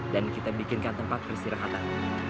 dan kita bikinkan tempat peristirahatan